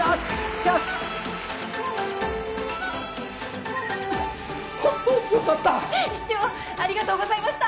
市長ありがとうございました！